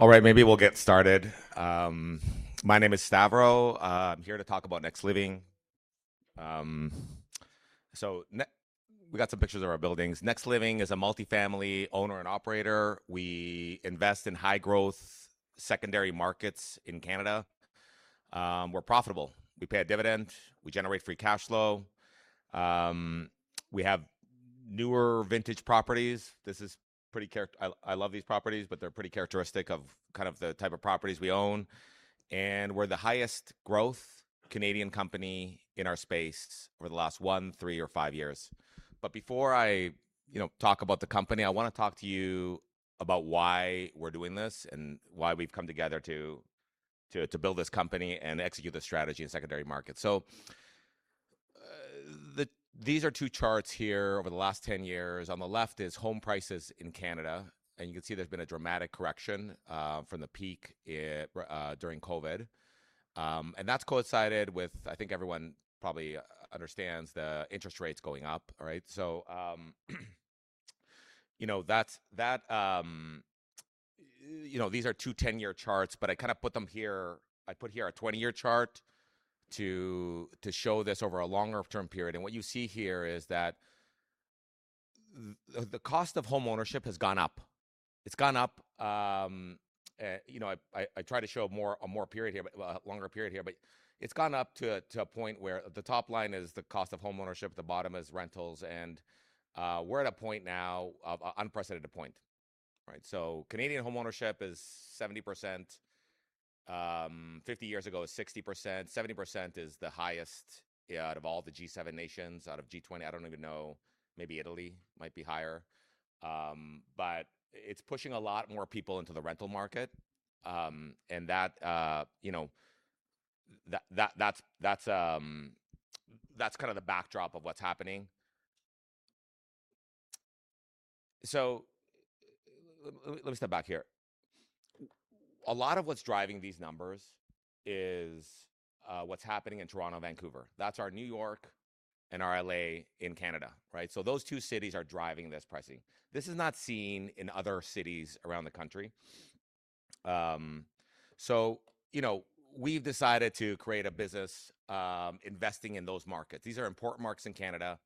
All right, maybe we'll get started. My name is Stavro. I'm here to talk about NexLiving. We got some pictures of our buildings. NexLiving is a multifamily owner and operator. We invest in high-growth secondary markets in Canada. We're profitable. We pay a dividend. We generate free cash flow. We have newer vintage properties. I love these properties, but they're pretty characteristic of kind of the type of properties we own. We're the highest growth Canadian company in our space over the last one, three, or five years. Before I talk about the company, I want to talk to you about why we're doing this and why we've come together to build this company and execute this strategy in secondary markets. These are two charts here over the last 10 years. On the left is home prices in Canada, you can see there's been a dramatic correction from the peak during COVID. That's coincided with, I think everyone probably understands, the interest rates going up. These are two 10-year charts, I put here a 20-year chart to show this over a longer-term period. What you see here is that the cost of home ownership has gone up. I try to show a longer period here, it's gone up to a point where the top line is the cost of home ownership, the bottom is rentals, we're at an unprecedented point. Canadian home ownership is 70%, 50 years ago it was 60%. 70% is the highest out of all the G7 nations, out of G20, I don't even know, maybe Italy might be higher. It's pushing a lot more people into the rental market, that's the backdrop of what's happening. Let me step back here. A lot of what's driving these numbers is what's happening in Toronto, Vancouver. That's our New York and our L.A. in Canada. Those two cities are driving this pricing. This is not seen in other cities around the country. We've decided to create a business investing in those markets. These are important markets in Canada,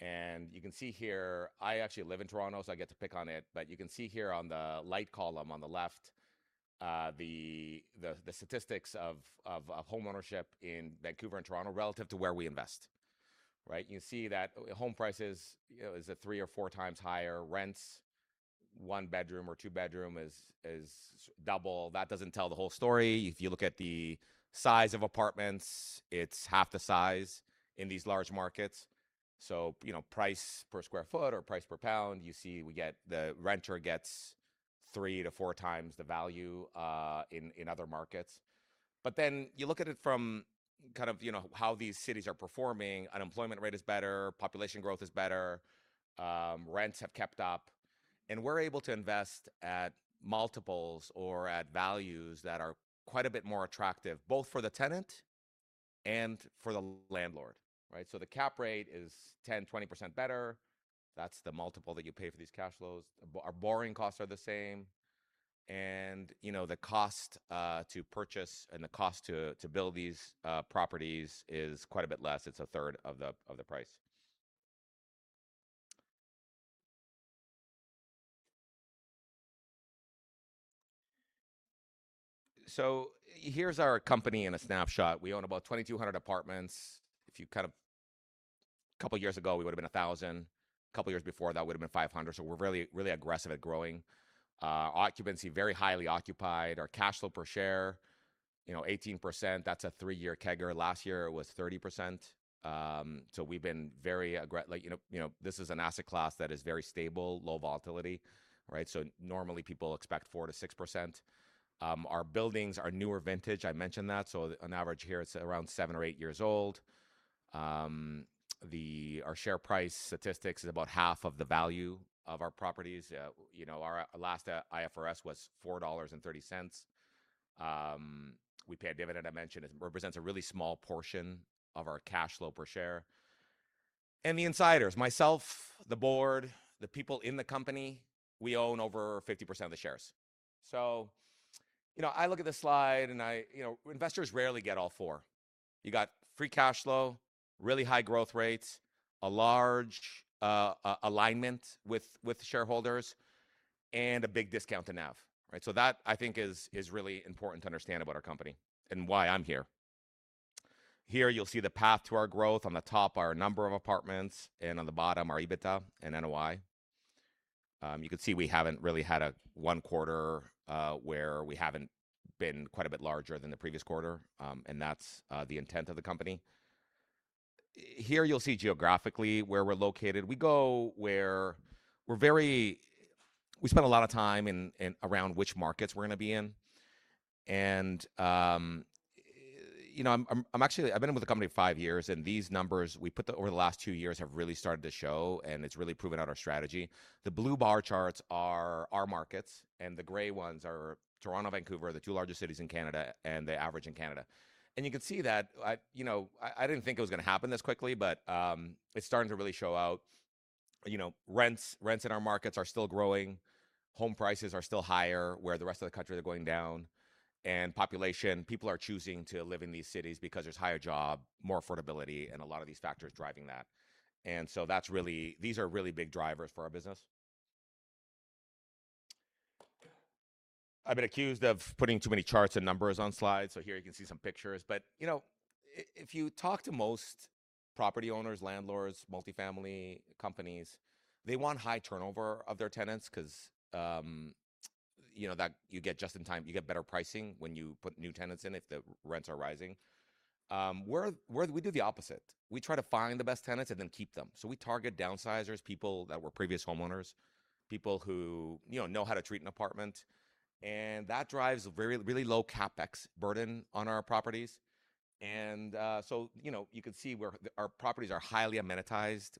you can see here, I actually live in Toronto, I get to pick on it, you can see here on the light column on the left, the statistics of home ownership in Vancouver and Toronto relative to where we invest. You can see that home prices is at three or four times higher rents, one bedroom or two bedroom is double. That doesn't tell the whole story. If you look at the size of apartments, it's half the size in these large markets. Price per square foot or price per pound, you see the renter gets three to four times the value in other markets. You look at it from how these cities are performing. Unemployment rate is better, population growth is better, rents have kept up, we're able to invest at multiples or at values that are quite a bit more attractive, both for the tenant and for the landlord. The cap rate is 10%, 20% better. That's the multiple that you pay for these cash flows. Our borrowing costs are the same, the cost to purchase and the cost to build these properties is quite a bit less. It's a third of the price. Here's our company in a snapshot. We own about 2,200 apartments. A couple years ago, we would've been 1,000. A couple years before that, we would've been 500. We're really aggressive at growing. Our occupancy, very highly occupied. Our cash flow per share, 18%. That's a three-year CAGR. Last year, it was 30%. This is an asset class that is very stable, low volatility. Normally, people expect 4%-6%. Our buildings are newer vintage, I mentioned that. On average here, it's around seven or eight years old. Our share price statistics is about half of the value of our properties. Our last IFRS was 4.30 dollars. We pay a dividend, I mentioned. It represents a really small portion of our cash flow per share. The insiders, myself, the board, the people in the company, we own over 50% of the shares. I look at this slide, investors rarely get all four. You got free cash flow, really high growth rates, a large alignment with shareholders, a big discount to NAV. That, I think, is really important to understand about our company and why I'm here. Here, you'll see the path to our growth. On the top, our number of apartments, on the bottom, our EBITDA and NOI. You can see we haven't really had one quarter where we haven't been quite a bit larger than the previous quarter, that's the intent of the company. Here, you'll see geographically where we're located. We spend a lot of time around which markets we're going to be in. I've been with the company five years, these numbers, over the last two years, have really started to show, it's really proven out our strategy. The blue bar charts are our markets, the gray ones are Toronto, Vancouver, the two largest cities in Canada, the average in Canada. You can see that, I didn't think it was going to happen this quickly, but it's starting to really show out. Rents in our markets are still growing. Home prices are still higher where the rest of the country, they're going down. Population, people are choosing to live in these cities because there's higher job, more affordability, a lot of these factors driving that. These are really big drivers for our business. I've been accused of putting too many charts and numbers on slides, here you can see some pictures. If you talk to most property owners, landlords, multifamily companies, they want high turnover of their tenants because you get better pricing when you put new tenants in if the rents are rising. We do the opposite. We try to find the best tenants and then keep them. We target downsizers, people that were previous homeowners, people who know how to treat an apartment, that drives a really low CapEx burden on our properties. You can see our properties are highly amenitized.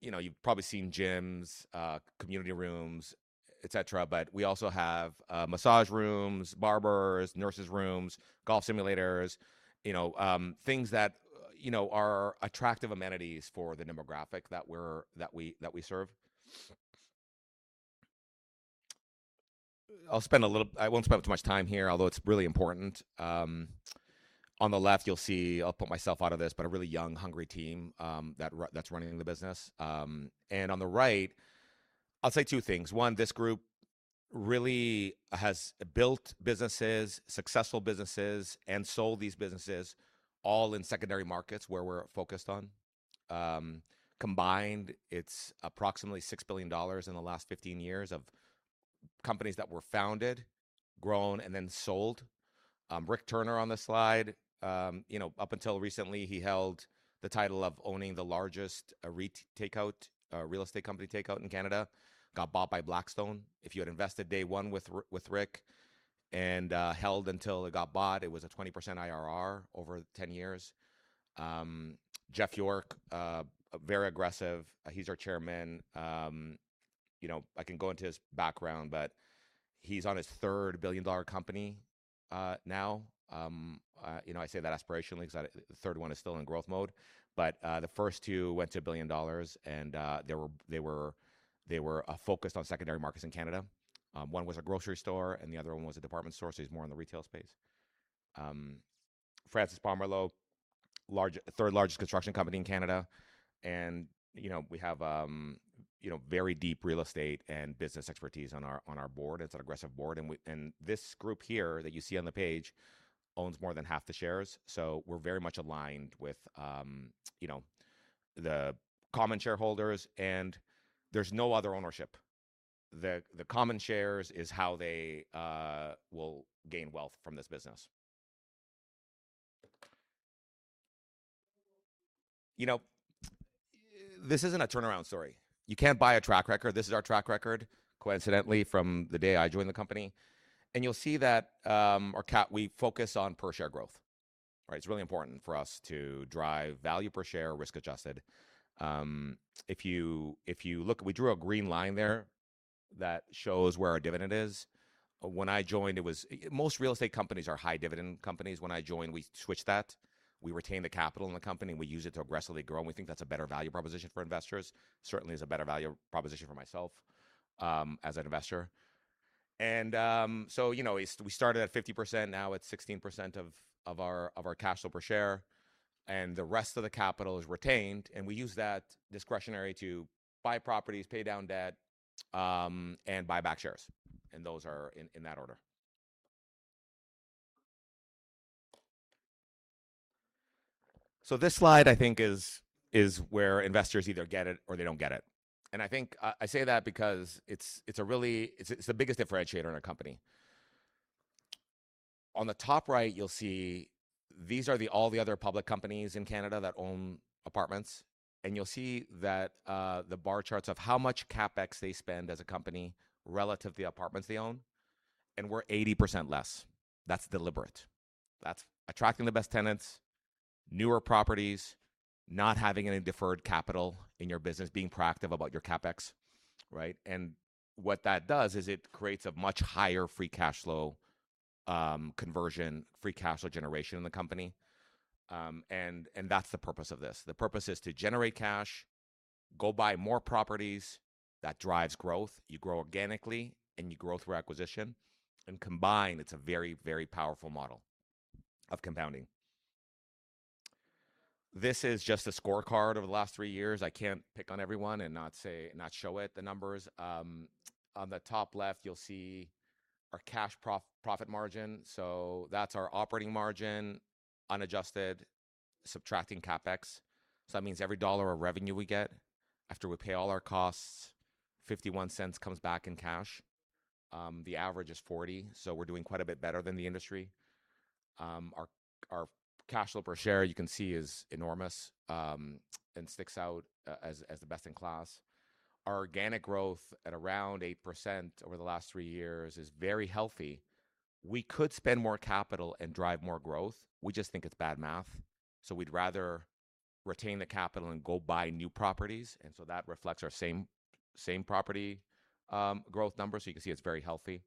You've probably seen gyms, community rooms, et cetera, we also have massage rooms, barbers, nurses rooms, golf simulators, things that are attractive amenities for the demographic that we serve. I won't spend too much time here, although it's really important. On the left you'll see, I'll put myself out of this, a really young, hungry team that's running the business. On the right, I will say two things. One, this group really has built businesses, successful businesses, and sold these businesses all in secondary markets where we are focused on. Combined, it is approximately 6 billion dollars in the last 15 years of companies that were founded, grown, and then sold. Rick Turner on the slide, up until recently, he held the title of owning the largest REIT takeout, real estate company takeout in Canada, got bought by Blackstone. If you had invested day one with Rick and held until it got bought, it was a 20% IRR over 10 years. Jeff York, very aggressive. He is our chairman. I can go into his background, but he is on his third billion-dollar company now. I say that aspirationally because the third one is still in growth mode, but, the first two went to 1 billion dollars and they were focused on secondary markets in Canada. One was a grocery store and the other one was a department store, so he's more in the retail space. Francis Pomerleau, third largest construction company in Canada, and we have very deep real estate and business expertise on our board. It's an aggressive board, and this group here that you see on the page owns more than half the shares, so we're very much aligned with the common shareholders, and there's no other ownership. The common shares is how they will gain wealth from this business. This isn't a turnaround story. You can't buy a track record. This is our track record, coincidentally, from the day I joined the company, and you'll see that we focus on per share growth. It's really important for us to drive value per share, risk-adjusted. If you look, we drew a green line there that shows where our dividend is. Most real estate companies are high dividend companies. When I joined, we switched that. We retained the capital in the company, and we used it to aggressively grow, and we think that's a better value proposition for investors. Certainly is a better value proposition for myself, as an investor. We started at 50%, now it's 16% of our cash flow per share, and the rest of the capital is retained. We use that discretionary to buy properties, pay down debt, and buy back shares, and those are in that order. This slide, I think, is where investors either get it or they don't get it. I say that because it's the biggest differentiator in our company. On the top right, you'll see these are all the other public companies in Canada that own apartments, and you'll see the bar charts of how much CapEx they spend as a company relative to the apartments they own, and we're 80% less. That's deliberate. That's attracting the best tenants, newer properties, not having any deferred capital in your business, being proactive about your CapEx. Right? What that does is it creates a much higher free cash flow conversion, free cash flow generation in the company, and that's the purpose of this. The purpose is to generate cash, go buy more properties. That drives growth. You grow organically, and you grow through acquisition. Combined, it's a very, very powerful model of compounding. This is just a scorecard of the last three years. I can't pick on everyone and not show it. The numbers, on the top left, you'll see our cash profit margin. That's our operating margin, unadjusted, subtracting CapEx. That means every CAD 1 of revenue we get, after we pay all our costs, 0.51 comes back in cash. The average is 40%, we're doing quite a bit better than the industry. Our cash flow per share, you can see, is enormous, and sticks out as the best in class. Our organic growth at around 8% over the last three years is very healthy. We could spend more capital and drive more growth. We just think it's bad math, we'd rather retain the capital and go buy new properties. That reflects our same property growth numbers, you can see it's very healthy.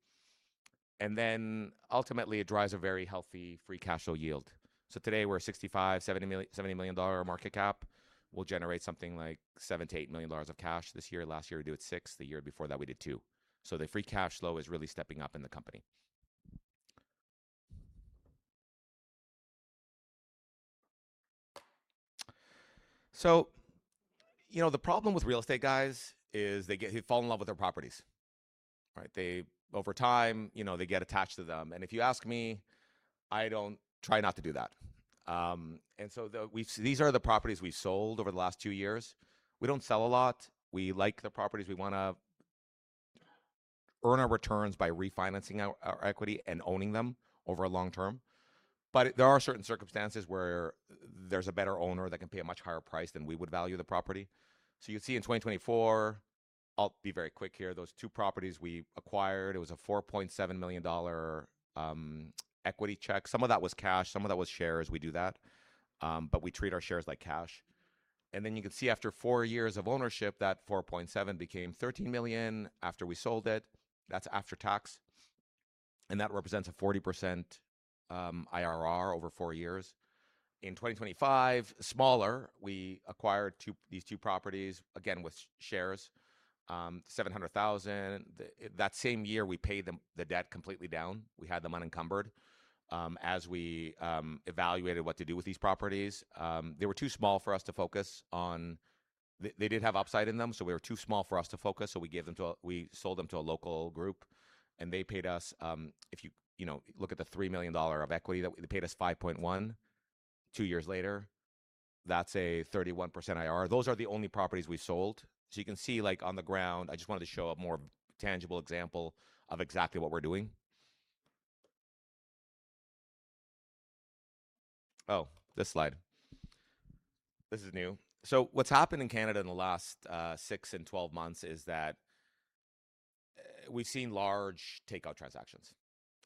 Ultimately it drives a very healthy free cash flow yield. Today we're a 65 million-70 million dollar market cap. We'll generate something like 7 million-8 million dollars of cash this year. Last year, we did 6 million. The year before that, we did 2 million. The free cash flow is really stepping up in the company. The problem with real estate guys is they fall in love with their properties. Over time, they get attached to them. If you ask me, I try not to do that. These are the properties we've sold over the last two years. We don't sell a lot. We like the properties. We want to earn our returns by refinancing our equity and owning them over a long term. There are certain circumstances where there's a better owner that can pay a much higher price than we would value the property. You see in 2024, I'll be very quick here, those two properties we acquired, it was a 4.7 million dollar equity check. Some of that was cash, some of that was shares. We do that, we treat our shares like cash. You can see after four years of ownership, that 4.7 million became 13 million after we sold it. That's after tax, that represents a 40% IRR over four years. In 2025, smaller, we acquired these two properties, again, with shares, 700,000. That same year, we paid the debt completely down. We had them unencumbered. We evaluated what to do with these properties, they were too small for us to focus on. They did have upside in them, we were too small for us to focus, we sold them to a local group, they paid us. If you look at the 3 million dollar of equity, they paid us 5.1 million two years later. That's a 31% IRR. Those are the only properties we sold. You can see on the ground, I just wanted to show a more tangible example of exactly what we're doing. This slide. This is new. What's happened in Canada in the last six and 12 months is that we've seen large takeout transactions.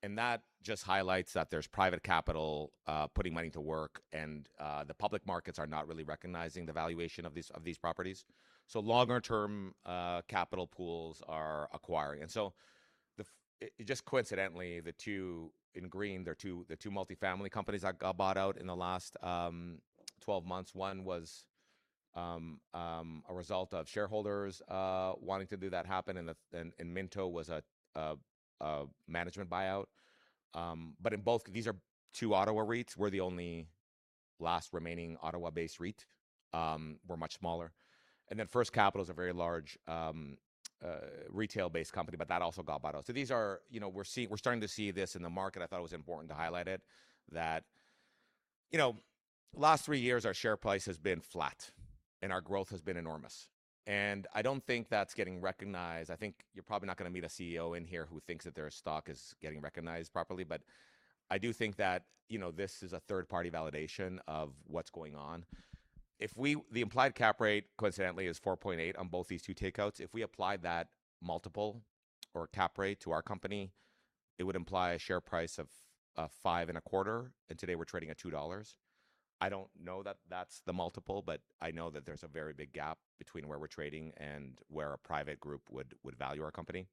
That just highlights that there's private capital putting money to work and the public markets are not really recognizing the valuation of these properties. Longer-term capital pools are acquiring. Just coincidentally, the two in green, the two multifamily companies that got bought out in the last 12 months, one was a result of shareholders wanting to do that happen, Minto was a management buyout. In both, these are two Ottawa REITs. We're the only last remaining Ottawa-based REIT. We're much smaller. First Capital is a very large retail-based company, but that also got bought out. We're starting to see this in the market. I thought it was important to highlight it, that the last three years our share price has been flat and our growth has been enormous. I don't think that's getting recognized. I think you're probably not going to meet a CEO in here who thinks that their stock is getting recognized properly. I do think that this is a third-party validation of what's going on. The implied cap rate coincidentally is 4.8 on both these two takeouts. If we apply that multiple or cap rate to our company, it would imply a share price of five and a quarter, and today we're trading at 2 dollars. I don't know that that's the multiple, I know that there's a very big gap between where we're trading and where a private group would value our company.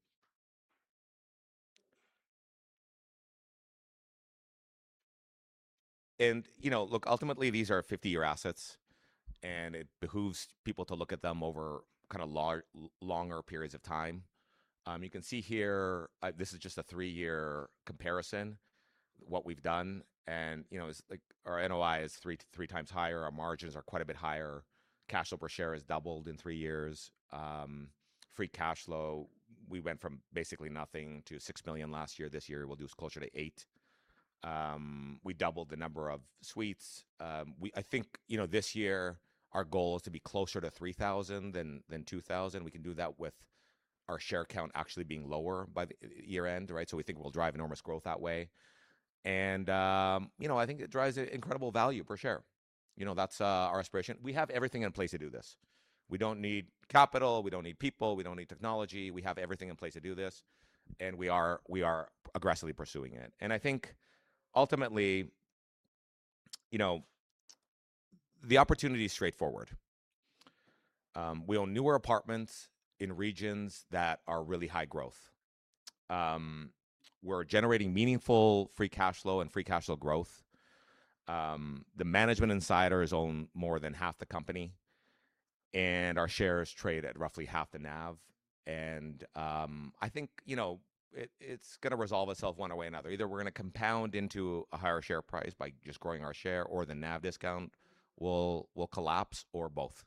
Look, ultimately, these are 50-year assets, and it behooves people to look at them over longer periods of time. You can see here, this is just a three-year comparison, what we've done. Our NOI is three times higher. Our margins are quite a bit higher. Cash flow per share has doubled in three years. Free cash flow, we went from basically nothing to 6 million last year. This year, we'll do closer to 8 million. We doubled the number of suites. I think this year our goal is to be closer to 3,000 than 2,000. We can do that with our share count actually being lower by the year-end. We think we'll drive enormous growth that way. I think it drives incredible value per share. That's our aspiration. We have everything in place to do this. We don't need capital. We don't need people. We don't need technology. We have everything in place to do this, and we are aggressively pursuing it. I think ultimately, the opportunity is straightforward. We own newer apartments in regions that are really high growth. We're generating meaningful free cash flow and free cash flow growth. The management insiders own more than half the company, and our shares trade at roughly half the NAV. I think it's going to resolve itself one way or another. Either we're going to compound into a higher share price by just growing our share, or the NAV discount will collapse, or both.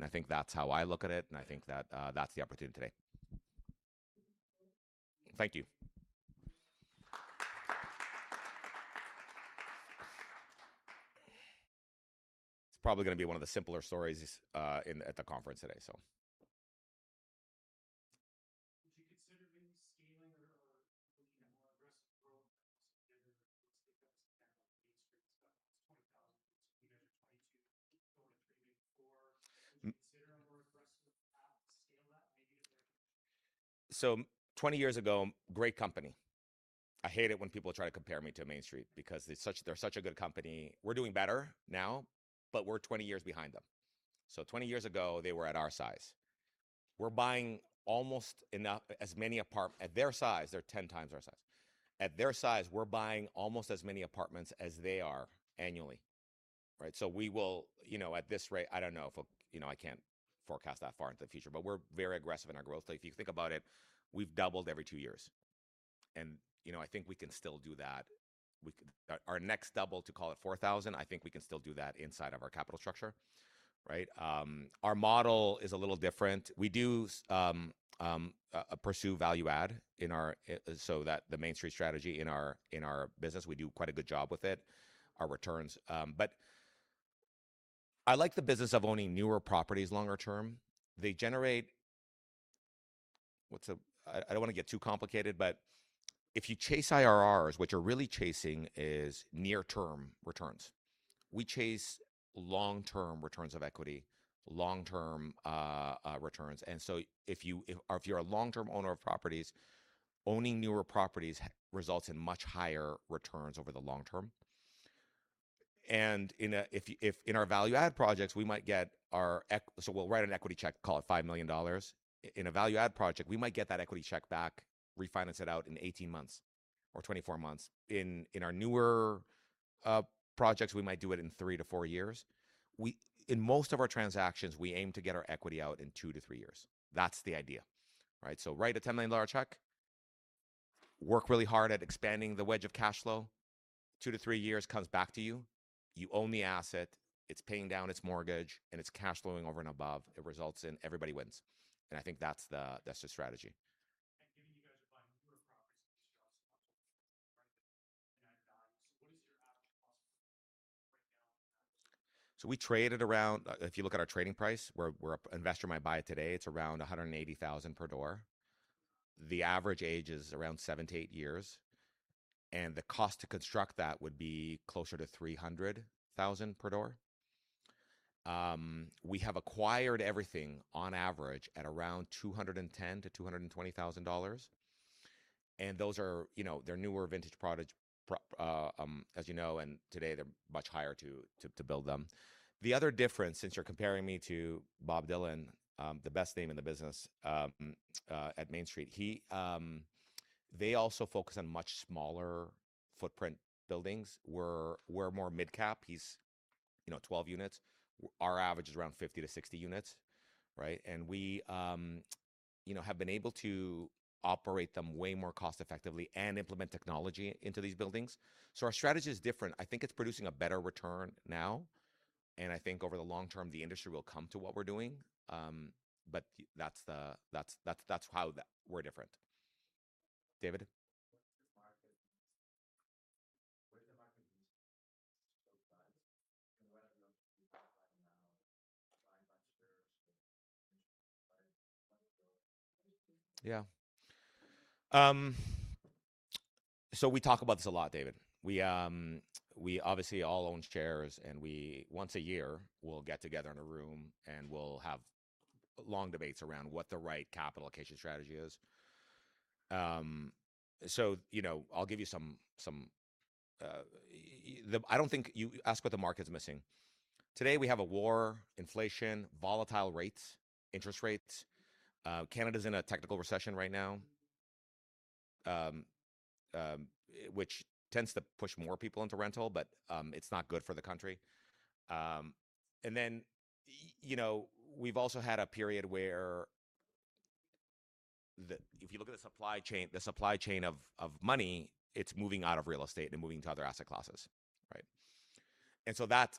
I think that's how I look at it, and I think that's the opportunity today. Thank you. It's probably going to be one of the simpler stories at the conference today. Would you consider maybe scaling or looking at more aggressive growth 20,000 units? You guys are 22. Going to 34. Would you consider a more aggressive path to scale that maybe? 20 years ago, great company. I hate it when people try to compare me to Mainstreet Equity Corp. because they're such a good company. We're doing better now, but we're 20 years behind them. 20 years ago, they were at our size. At their size, they're 10 times our size. At their size, we're buying almost as many apartments as they are annually. We will, at this rate, I don't know, I can't forecast that far into the future, but we're very aggressive in our growth. If you think about it, we've doubled every two years. I think we can still do that. Our next double, to call it 4,000, I think we can still do that inside of our capital structure. Our model is a little different. We do pursue value add so that the Mainstreet Equity Corp. strategy in our business, we do quite a good job with it, our returns. I like the business of owning newer properties longer term. I don't want to get too complicated, but if you chase IRRs, what you're really chasing is near-term returns. We chase long-term returns of equity, long-term returns. If you're a long-term owner of properties, owning newer properties results in much higher returns over the long term. In our value add projects, we'll write an equity check, call it 5 million dollars. In a value add project, we might get that equity check back, refinance it out in 18 months or 24 months. In our newer projects, we might do it in three to four years. In most of our transactions, we aim to get our equity out in two to three years. That's the idea. Write a 10 million dollar check, work really hard at expanding the wedge of cash flow. Two to three years comes back to you. You own the asset, it's paying down its mortgage, and it's cash flowing over and above. It results in everybody wins, I think that's the strategy. Given you guys are buying newer properties, what is your average cost per right now? We traded around, if you look at our trading price, where an investor might buy it today, it's around 180,000 per door. The average age is around seven to eight years, and the cost to construct that would be closer to 300,000 per door. We have acquired everything on average at around 210,000-220,000 dollars. Those are newer vintage product, as you know, and today they're much higher to build them. The other difference, since you're comparing me to Bob Dhillon, the best name in the business at Mainstreet, they also focus on much smaller footprint buildings. We're more mid-cap. He's 12 units. Our average is around 50-60 units. We have been able to operate them way more cost effectively and implement technology into these buildings. Our strategy is different. I think it's producing a better return now, and I think over the long term, the industry will come to what we're doing. That's how we're different. David? What is the market right now buying back shares? Yeah. We talk about this a lot, David. We obviously all own shares. Once a year, we'll get together in a room, and we'll have long debates around what the right capital allocation strategy is. You ask what the market's missing. Today we have a war, inflation, volatile rates, interest rates. Canada's in a technical recession right now, which tends to push more people into rental. It's not good for the country. We've also had a period where if you look at the supply chain of money, it's moving out of real estate and moving to other asset classes. Right?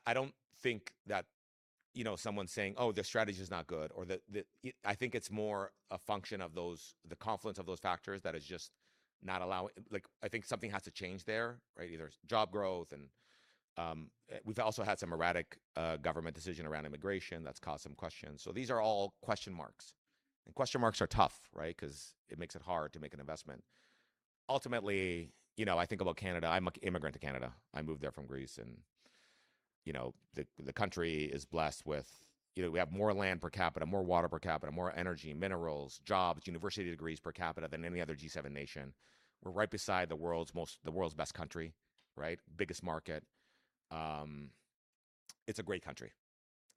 I don't think that someone's saying, "Oh, the strategy is not good." I think it's more a function of the confluence of those factors that is just not allowing. Something has to change there, either it's job growth, and we've also had some erratic government decision around immigration that's caused some questions. These are all question marks, and question marks are tough because it makes it hard to make an investment. Ultimately, I think about Canada. I'm an immigrant to Canada. I moved there from Greece. The country is blessed with, we have more land per capita, more water per capita, more energy, minerals, jobs, university degrees per capita than any other G7 nation. We're right beside the world's best country, biggest market. It's a great country.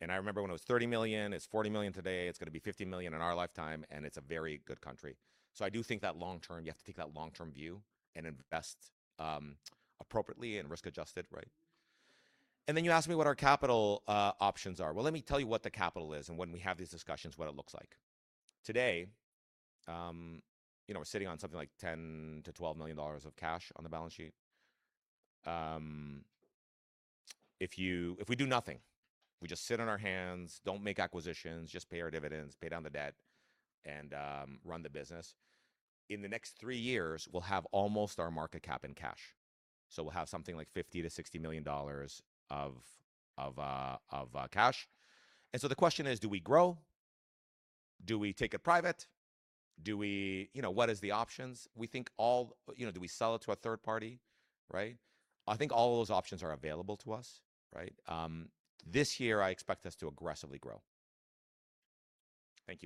I remember when it was 30 million, it's 40 million today. It's going to be 50 million in our lifetime. It's a very good country. I do think that long term, you have to take that long-term view and invest appropriately and risk adjusted. You asked me what our capital options are. Well, let me tell you what the capital is and when we have these discussions, what it looks like. Today, we're sitting on something like 10 million-12 million dollars of cash on the balance sheet. If we do nothing, we just sit on our hands, don't make acquisitions, just pay our dividends, pay down the debt, and run the business, in the next three years, we'll have almost our market cap in cash. We'll have something like 50 million-60 million dollars of cash. The question is, do we grow? Do we take it private? What is the options? Do we sell it to a third party? I think all of those options are available to us. This year, I expect us to aggressively grow. Thank you.